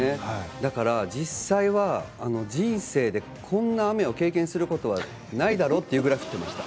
だから実際は人生でこんな場面を経験することはないだろうというぐらい降っていました。